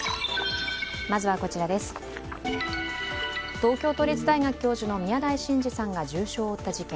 東京都立大学教授の宮台真司さんが重傷を負った事件。